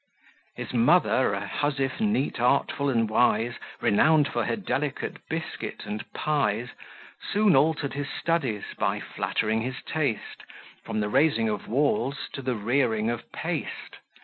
His mother, a housewife neat, artful, and wise, Renown'd for her delicate biscuit and pies, soon alter'd his studies, by flattering his taste, From the raising of walls to the rearing of paste!